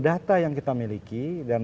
data yang kita miliki dan